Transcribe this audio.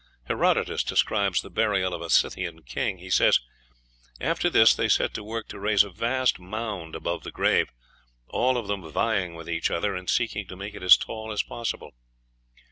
Herodotus describes the burial of a Scythian king; he says, "After this they set to work to raise a vast mound above the grave, all of them vying with each other, and seeking to make it as tall as possible."